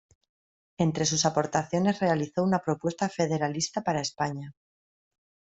Entre sus aportaciones realizó una propuesta federalista para España.